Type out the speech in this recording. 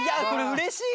うれしい！